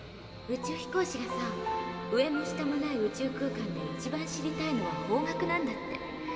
宇宙飛行士がさ上も下もない宇宙空間で一番知りたいのは方角なんだって。